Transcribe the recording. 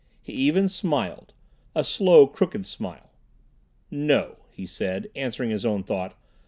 He even smiled a slow, crooked smile. "No," he said, answering his own thought.